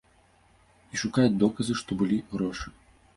І шукаюць доказы, што былі грошы.